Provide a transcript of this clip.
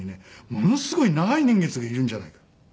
ものすごい長い年月がいるんじゃないかと。